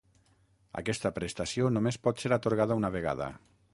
Aquesta prestació només pot ser atorgada una vegada.